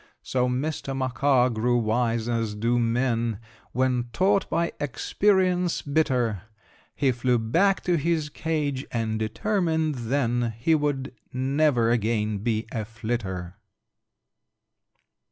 So Mr. Macaw grew wise, as do men, When taught by experience bitter; He flew back to his cage, and determined then He would never again be a flitter.'"